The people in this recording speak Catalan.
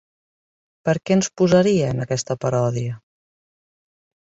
Per què ens posaria en aquesta paròdia?